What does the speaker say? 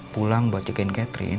pulang buat jagain catherine